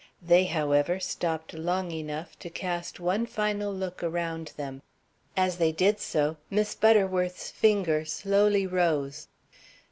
They, however, stopped long enough to cast one final look around them. As they did so Miss Butterworth's finger slowly rose.